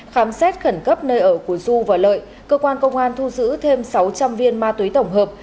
khám xét khẩn cấp nơi ở của du và lợi cơ quan công an thu giữ thêm sáu trăm linh viên ma túy tổng hợp